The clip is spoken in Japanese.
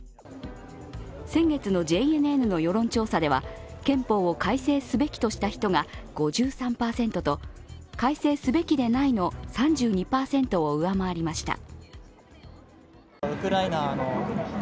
先月のＪＮＮの世論調査では、憲法を改正すべきとした人が５３％と改正すべきではないの３２％を上回りました。